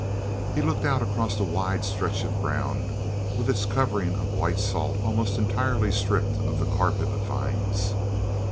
He looked out across the wide stretch of ground with its covering of white salt almost entirely stripped of the carpet of vines.